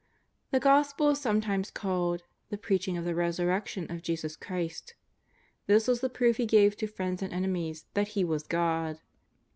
The Gospel is sometimes called " the preaching of the Resurrection of Jesus Christ." This was the proof He gave to friends and enemies that He was God.